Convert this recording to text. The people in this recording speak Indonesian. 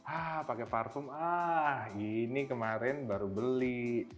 ah pakai parfum ah ini kemarin baru beli